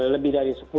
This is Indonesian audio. lebih dari sepuluh